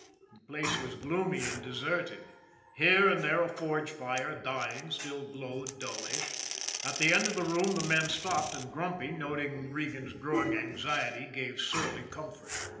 The place was gloomy and deserted. Here and there a forge fire, dying, still glowed dully. At the end of the room the men stopped, and Grumpy, noting Regan's growing anxiety, gave surly comfort.